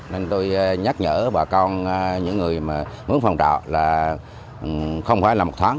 nên tôi nhắc nhở bà con những người muốn phòng trọ là không phải là một tháng